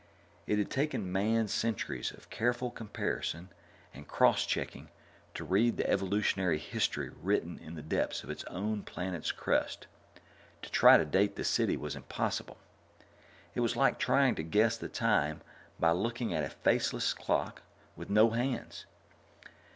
It had taken Man centuries of careful comparison and cross checking to read the evolutionary history written in the depths of his own planet's crust to try to date the city was impossible. It was like trying to guess the time by looking at a faceless clock with no hands.